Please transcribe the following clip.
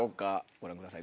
ご覧ください